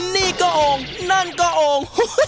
นี่ก็โอ่งนั่นก็โอ่ง